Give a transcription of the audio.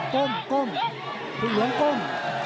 ก้มก้มผู้หลวงก้ม